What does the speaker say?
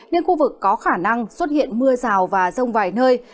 nên khu vực có khả năng xuất hiện mưa rào và rông vài nơi